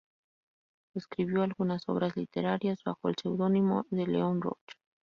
Escribió algunas obras literarias bajo el seudónimo de León Roch.